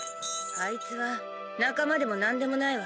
あいつは仲間でも何でもないわ